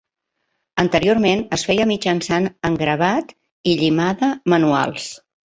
Anteriorment, es feia mitjançant engravat i llimada manuals.